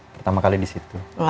pertama kali disitu